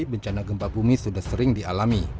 bencana gempa bumi sudah sering dialami